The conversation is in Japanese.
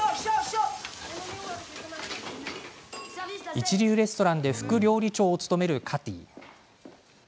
一流レストランで副料理長を務めるカティ。